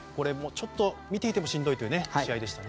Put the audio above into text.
ちょっと見ていてもしんどい試合でしたね。